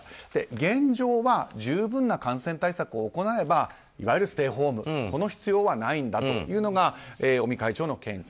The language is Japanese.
現状は十分な感染対策を行えばいわゆるステイホームこの必要はないんだというのが尾身会長の見解。